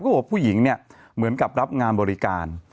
บอกว่าผู้หญิงเนี่ยเหมือนกับรับงานบริการ